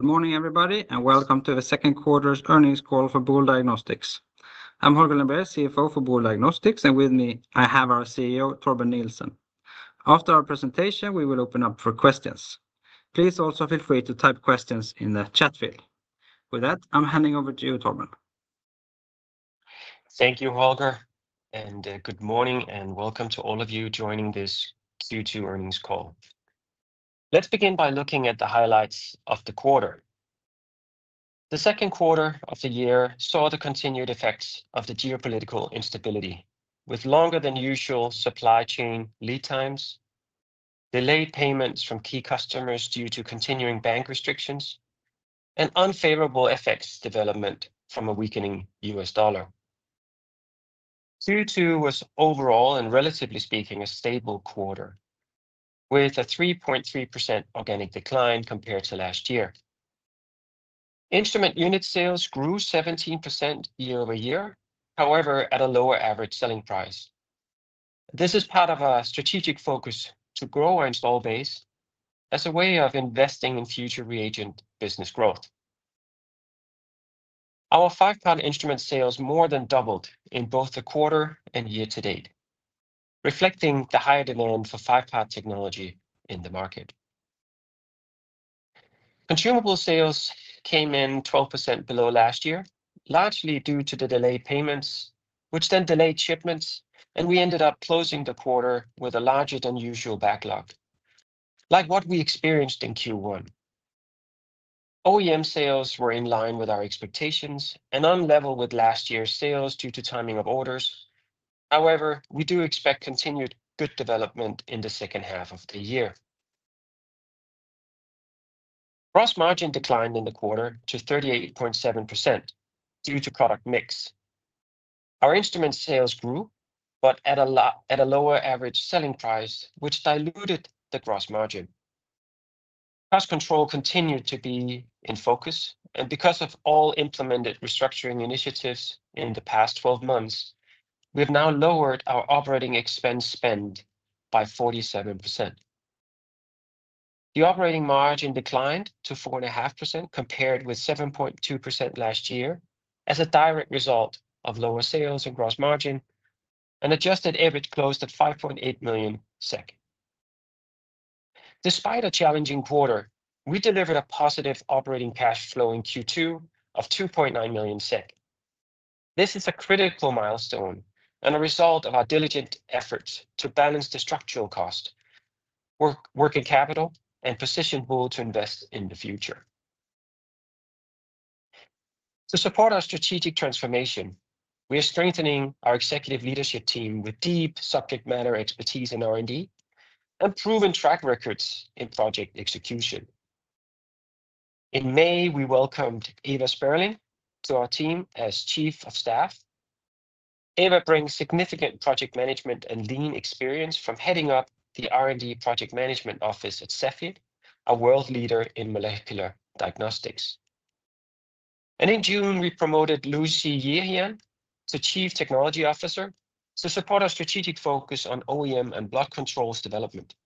Good morning, everybody, and welcome to the second quarter's earnings call for Boule Diagnostics. I'm Holger Lembrér, CFO for Boule Diagnostics, and with me, I have our CEO, Torben Nielsen. After our presentation, we will open up for questions. Please also feel free to type questions in the chat field. With that, I'm handing over to you, Torben. Thank you, Holger, and good morning, and welcome to all of you joining this Q2 earnings call. Let's begin by looking at the highlights of the quarter. The second quarter of the year saw the continued effects of the geopolitical instability, with longer than usual supply chain lead times, delayed payments from key customers due to continuing bank restrictions, and unfavorable effects developing from a weakening U.S. dollar. Q2 was overall, and relatively speaking, a stable quarter, with a 3.3% organic decline compared to last year. Instrument unit sales grew 17% year-over-year, however, at a lower average selling price. This is part of our strategic focus to grow our installed base as a way of investing in future reagent business growth. Our 5-Part instrument sales more than doubled in both the quarter and year to date, reflecting the higher demand for 5-Part technology in the market. Consumable sales came in 12% below last year, largely due to the delayed payments, which then delayed shipments, and we ended up closing the quarter with a larger than usual backlog, like what we experienced in Q1. OEM sales were in line with our expectations and on level with last year's sales due to timing of orders. However, we do expect continued good development in the second half of the year. Gross margin declined in the quarter to 38.7% due to product mix. Our instrument sales grew, but at a lower average selling price, which diluted the gross margin. Cost control continued to be in focus, and because of all implemented restructuring initiatives in the past 12 months, we have now lowered our operating expense spend by 47%. The operating margin declined to 4.5% compared with 7.2% last year as a direct result of lower sales and gross margin, an adjusted EBIT closed at 5.8 million. Despite a challenging quarter, we delivered a positive operating cash flow in Q2 of 2.9 million SEK. This is a critical milestone and a result of our diligent efforts to balance the structural cost, working capital, and position Boule Diagnostics AB to invest in the future. To support our strategic transformation, we are strengthening our executive leadership team with deep subject matter expertise in R&D and proven track records in project execution. In May, we welcomed Eva Sperling to our team as Chief of Staff. Eva brings significant project management and lean experience from heading up the R&D project management office at Cepheid, a world leader in molecular diagnostics. In June, we promoted Lucy Yehiayan to Chief Technology Officer to support our strategic focus on OEM and block controls development.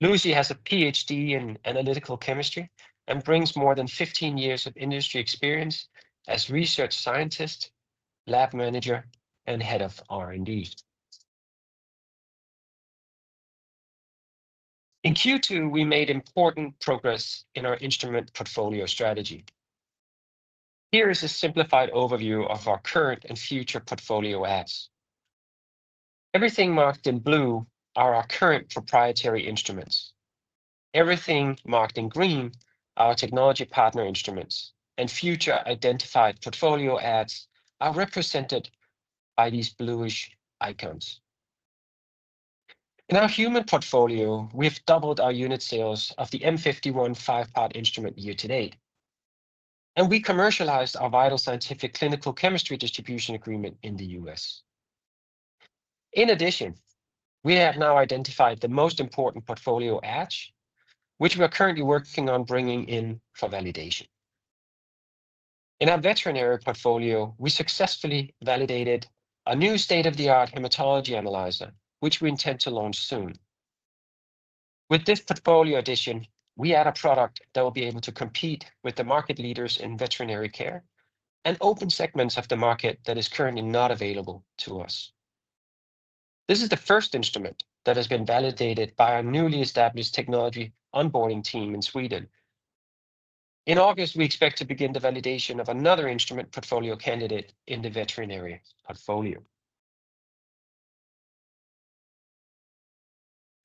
Lucy has a PhD in analytical chemistry and brings more than 15 years of industry experience as research scientist, lab manager, and head of R&D. In Q2, we made important progress in our instrument portfolio strategy. Here is a simplified overview of our current and future portfolio ads. Everything marked in blue are our current proprietary instruments. Everything marked in green are our technology partner instruments, and future identified portfolio ads are represented by these bluish icons. In our human portfolio, we have doubled our unit sales of the M51 5-Part instrument year to date, and we commercialized our VitalScientific clinical chemistry distribution agreement in the U.S. In addition, we have now identified the most important portfolio ads, which we are currently working on bringing in for validation. In our veterinary portfolio, we successfully validated a new state-of-the-art hematology analyzer, which we intend to launch soon. With this portfolio addition, we add a product that will be able to compete with the market leaders in veterinary care and open segments of the market that are currently not available to us. This is the first instrument that has been validated by our newly established technology onboarding team in Sweden. In August, we expect to begin the validation of another instrument portfolio candidate in the veterinary portfolio.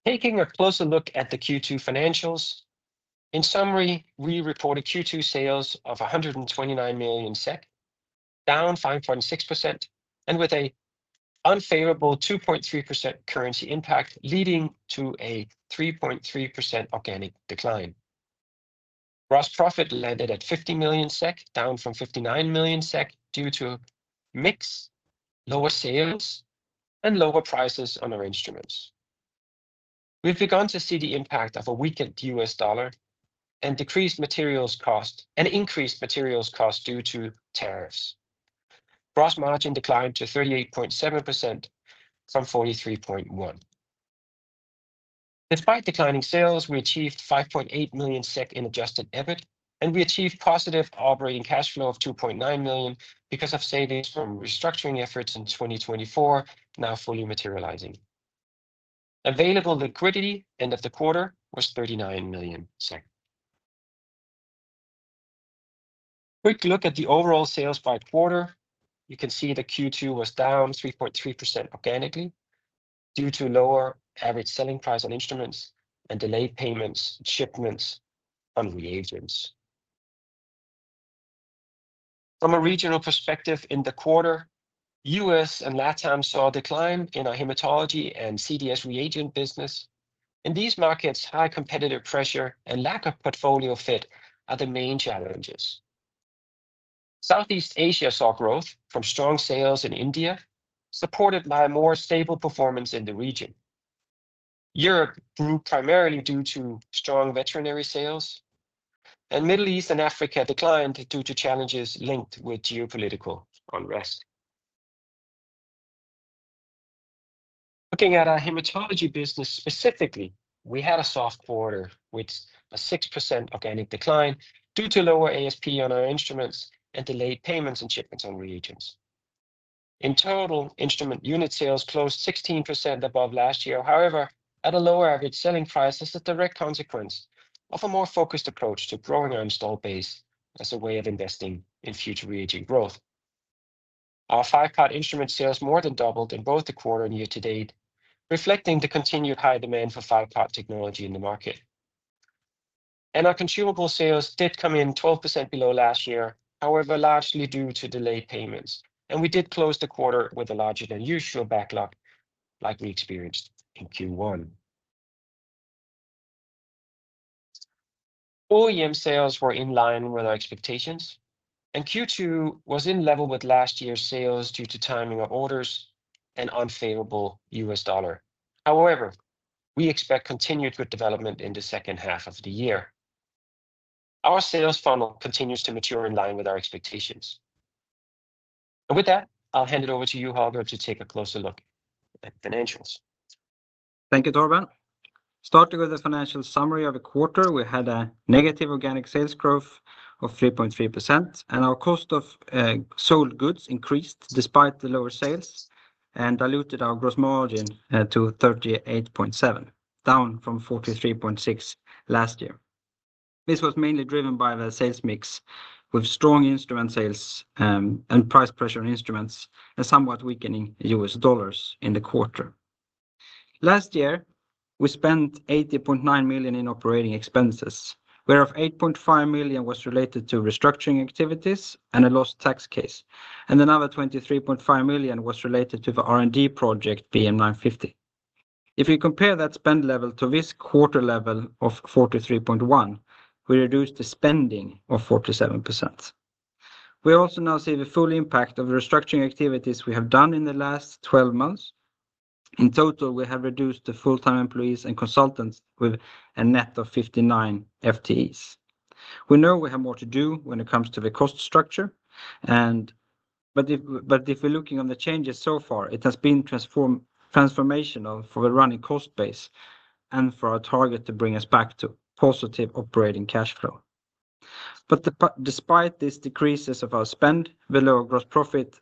Taking a closer look at the Q2 financials, in summary, we reported Q2 sales of 129 million SEK, down 5.6%, and with an unfavorable 2.3% currency impact, leading to a 3.3% organic decline. Gross profit landed at 50 million SEK, down from 59 million SEK due to a mix, lower sales, and lower prices on our instruments. We have begun to see the impact of a weakened U.S. dollar and increased materials cost due to tariffs. Gross margin declined to 38.7% from 43.1%. Despite declining sales, we achieved 5.8 million SEK in adjusted EBIT, and we achieved positive operating cash flow of 2.9 million because of savings from restructuring efforts in 2024, now fully materializing. Available liquidity end of the quarter was 39 million. Quick look at the overall sales by quarter. You can see that Q2 was down 3.3% organically due to lower average selling price on instruments and delayed payments and shipments on reagents. From a regional perspective in the quarter, U.S. and LatAm saw a decline in our hematology and CDS reagent business. In these markets, high competitive pressure and lack of portfolio fit are the main challenges. Southeast Asia saw growth from strong sales in India, supported by a more stable performance in the region. Europe grew primarily due to strong veterinary sales, and the Middle East and Africa declined due to challenges linked with geopolitical unrest. Looking at our hematology business specifically, we had a soft quarter with a 6% organic decline due to lower ASP on our instruments and delayed payments and shipments on reagents. In total, instrument unit sales closed 16% above last year, however, at a lower average selling price as a direct consequence of a more focused approach to growing our installed base as a way of investing in future reagent growth. Our 5-Part instrument sales more than doubled in both the quarter and year to date, reflecting the continued high demand for 5-Part technology in the market. Our consumable sales did come in 12% below last year, however, largely due to delayed payments, and we did close the quarter with a larger than usual backlog like we experienced in Q1. OEM sales were in line with our expectations, and Q2 was in level with last year's sales due to timing of orders and unfavorable U.S. dollar. We expect continued good development in the second half of the year. Our sales funnel continues to mature in line with our expectations. With that, I'll hand it over to you, Holger, to take a closer look at the financials. Thank you, Torben. Starting with the financial summary of the quarter, we had a negative organic sales growth of 3.3%, and our cost of sold goods increased despite the lower sales and diluted our gross margin to 38.7%, down from 43.6% last year. This was mainly driven by the sales mix with strong instrument sales and price pressure on instruments and somewhat weakening U.S. dollars in the quarter. Last year, we spent 80.9 million in operating expenses, where 8.5 million was related to restructuring activities and a lost tax case, and another 23.5 million was related to the R&D project BM950. If we compare that spend level to this quarter level of 43.1%, we reduced the spending by 47%. We also now see the full impact of the restructuring activities we have done in the last 12 months. In total, we have reduced the full-time employees and consultants with a net of 59 FTEs. We know we have more to do when it comes to the cost structure. If we're looking on the changes so far, it has been transformational for the running cost base and for our target to bring us back to positive operating cash flow. Despite these decreases of our spend, the low gross profit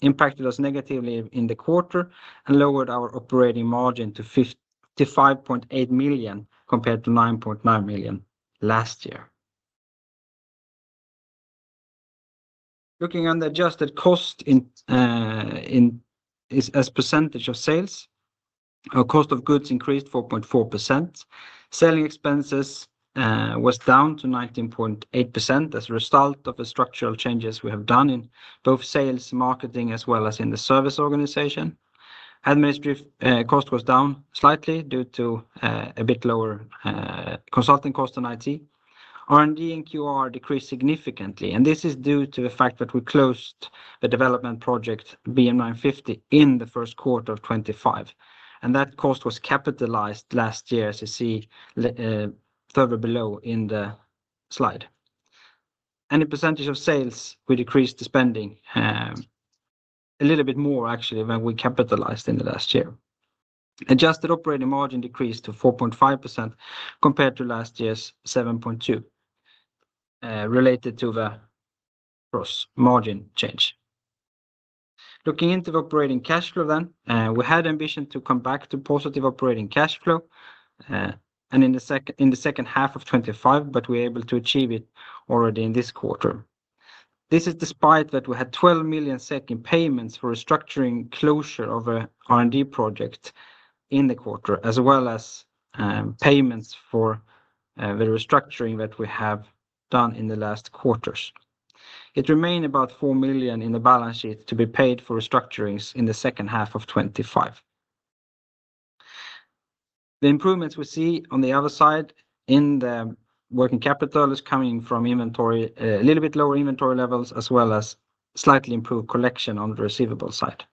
impacted us negatively in the quarter and lowered our operating margin to 5.8 million compared to 9.9 million last year. Looking under adjusted cost as a percentage of sales, our cost of goods increased 4.4%. Selling expenses were down to 19.8% as a result of the structural changes we have done in both sales and marketing, as well as in the service organization. Administrative cost was down slightly due to a bit lower consulting costs on IT. R&D and QR decreased significantly, and this is due to the fact that we closed the development project BM950 in the first quarter of 2025, and that cost was capitalized last year, as you see further below in the slide. In percentage of sales, we decreased the spending a little bit more, actually, than we capitalized in the last year. Adjusted operating margin decreased to 4.5% compared to last year's 7.2% related to the gross margin change. Looking into the operating cash flow then, we had ambition to come back to positive operating cash flow in the second half of 2025, but we were able to achieve it already in this quarter. This is despite that we had 12 million in payments for restructuring closure of an R&D project in the quarter, as well as payments for the restructuring that we have done in the last quarters. It remained about $4 million in the balance sheet to be paid for restructurings in the second half of 2025. The improvements we see on the other side in the working capital is coming from a little bit lower inventory levels, as well as slightly improved collection on the receivable side.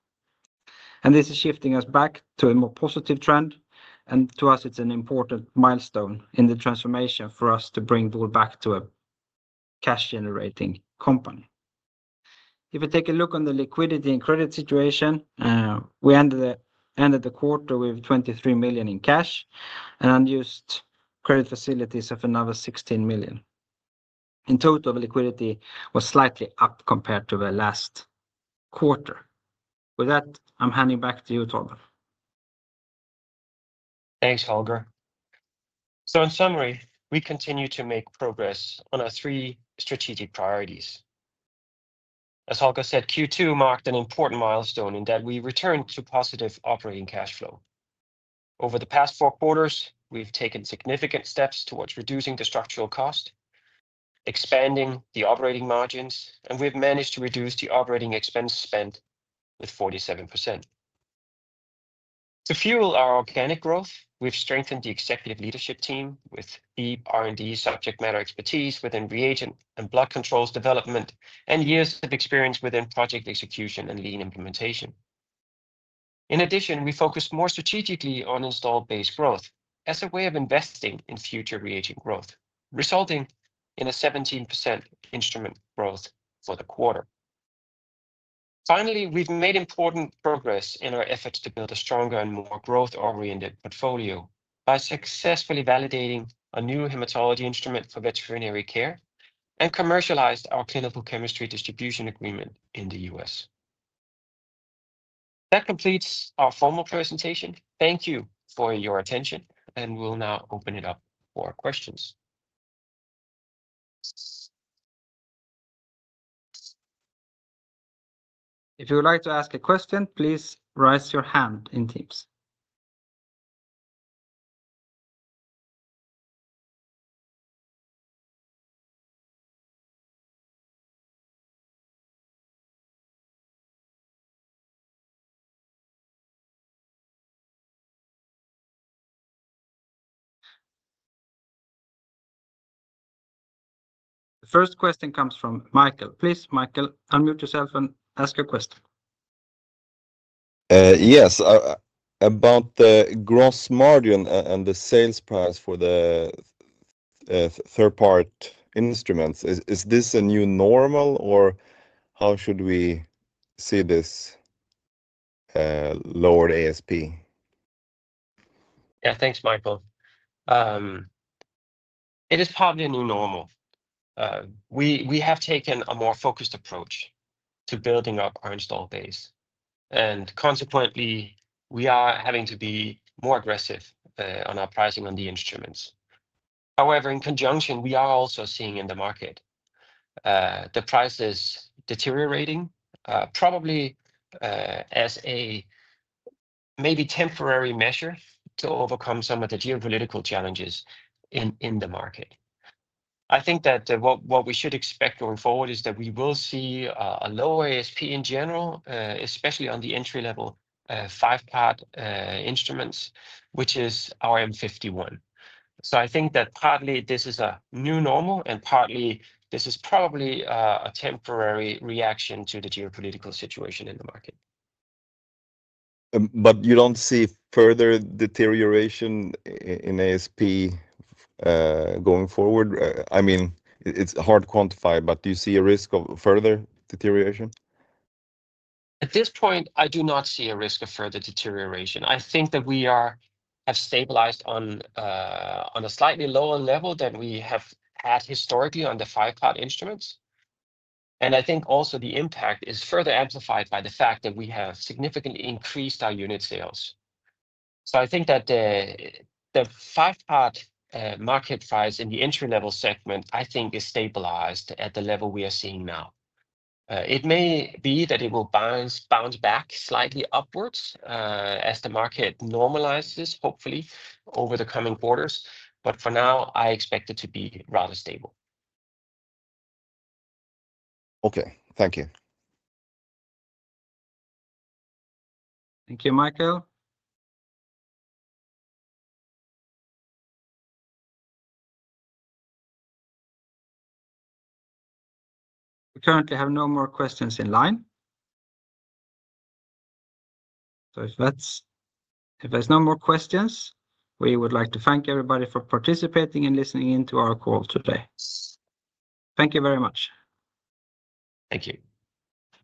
This is shifting us back to a more positive trend, and to us, it's an important milestone in the transformation for us to bring Boule back to a cash-generating company. If we take a look on the liquidity and credit situation, we ended the quarter with $23 million in cash and unused credit facilities of another $16 million. In total, the liquidity was slightly up compared to the last quarter. With that, I'm handing back to you, Torben. Thanks, Holger. In summary, we continue to make progress on our three strategic priorities. As Holger said, Q2 marked an important milestone in that we returned to positive operating cash flow. Over the past four quarters, we've taken significant steps towards reducing the structural cost, expanding the operating margins, and we've managed to reduce the operating expense spend by 47%. To fuel our organic growth, we've strengthened the executive leadership team with deep R&D subject matter expertise within reagent and controls development and years of experience within project execution and lean implementation. In addition, we focused more strategically on installed base growth as a way of investing in future reagent growth, resulting in a 17% instrument growth for the quarter. Finally, we've made important progress in our efforts to build a stronger and more growth-oriented portfolio by successfully validating a new hematology instrument for veterinary care and commercialized our clinical chemistry distribution agreement in the U.S. That completes our formal presentation. Thank you for your attention, and we'll now open it up for questions. If you would like to ask a question, please raise your hand in Teams. The first question comes from Michael. Please, Michael, unmute yourself and ask your question. Yes, about the gross margin and the sales price for the 5-Part instruments, is this a new normal, or how should we see this lowered ASP? Yeah, thanks, Michael. It is partly a new normal. We have taken a more focused approach to building up our installed base, and consequently, we are having to be more aggressive on our pricing on the instruments. However, in conjunction, we are also seeing in the market the prices deteriorating, probably as a maybe temporary measure to overcome some of the geopolitical challenges in the market. I think that what we should expect going forward is that we will see a lower ASP in general, especially on the entry-level 5-Part instruments, which is our M51. I think that partly this is a new normal and partly this is probably a temporary reaction to the geopolitical situation in the market. Do you see further deterioration in ASP going forward? I mean, it's hard to quantify, but do you see a risk of further deterioration? At this point, I do not see a risk of further deterioration. I think that we have stabilized on a slightly lower level than we have had historically on the 5-Part instruments. I think also the impact is further amplified by the fact that we have significantly increased our unit sales. I think that the 5-Part market price in the entry-level segment is stabilized at the level we are seeing now. It may be that it will bounce back slightly upwards as the market normalizes, hopefully, over the coming quarters, but for now, I expect it to be rather stable. Okay, thank you. Thank you, Michael. We currently have no more questions in line. If there's no more questions, we would like to thank everybody for participating and listening in to our call today. Thank you very much. Thank you.